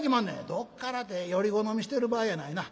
「どっからてより好みしてる場合やないな。